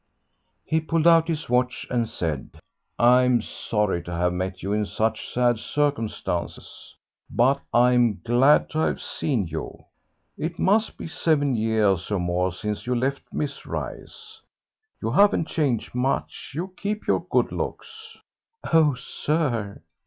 He pulled out his watch and said, "I am sorry to have met you in such sad circumstances, but I'm glad to have seen you. It must be seven years or more since you left Miss Rice. You haven't changed much; you keep your good looks." "Oh, sir."